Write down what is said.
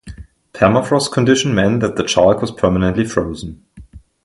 Permafrost conditions meant that the chalk was permanently frozen.